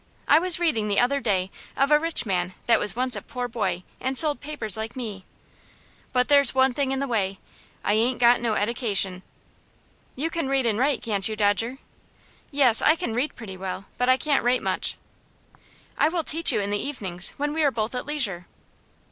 I was readin' the other day of a rich man that was once a poor boy, and sold papers like me. But there's one thing in the way I ain't got no eddication." "You can read and write, can't you, Dodger?" "Yes; I can read pretty well, but I can't write much." "I will teach you in the evenings, when we are both at leisure."